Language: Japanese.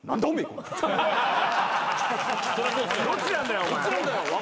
・どっちなんだよお前。